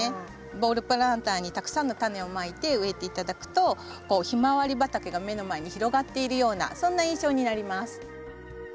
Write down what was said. ボールプランターにたくさんのタネをまいて植えて頂くとヒマワリ畑が目の前に広がっているようなそんな印象になります。